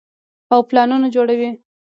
او پلانونه جوړوي -